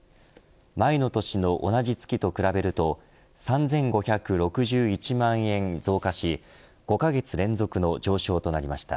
前の年の同じ月と比べると３５６１万円増加し５カ月連続の上昇となりました。